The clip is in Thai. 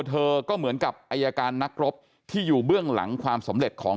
เธอก็เหมือนกับอายการนักรบที่อยู่เบื้องหลังความสำเร็จของ